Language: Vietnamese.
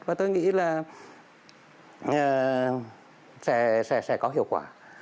và tôi nghĩ là sẽ có hiệu quả